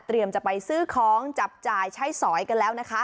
จะไปซื้อของจับจ่ายใช้สอยกันแล้วนะคะ